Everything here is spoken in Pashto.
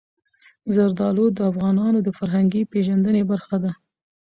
زردالو د افغانانو د فرهنګي پیژندنې برخه ده.